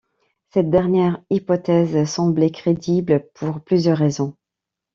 Cette dernière hypothèse semblait crédible pour plusieurs raisons.